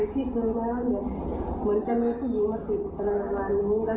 ทีนี้ก็เลยแบบอยู่ไม่ได้